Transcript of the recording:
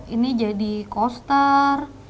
ini jadi coaster